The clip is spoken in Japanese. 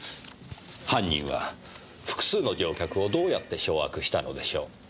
犯人は複数の乗客をどうやって掌握したのでしょう。